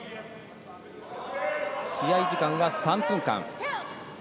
試合時間は３分間。